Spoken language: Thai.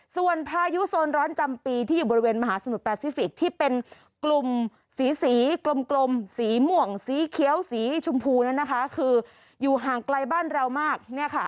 ส่วนพายุโซนร้อนจำปีที่อยู่บริเวณมหาสมุทรแปซิฟิกที่เป็นกลุ่มสีกลมสีม่วงสีเขียวสีชมพูนั้นนะคะคืออยู่ห่างไกลบ้านเรามาก